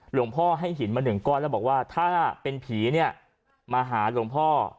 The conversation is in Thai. หลวงพ่อให้หินมาหนึ่งก้อนแล้วบอกว่าถ้าเป็นผีเนี่ยมาหาหลวงพ่อ